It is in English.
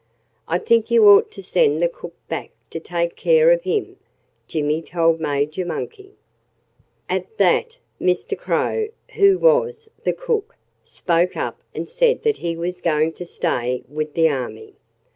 "I think you ought to send the cook back to take care of him," Jimmy told Major Monkey. At that, Mr. Crow who was the cook spoke up and said that he was going to stay with the army.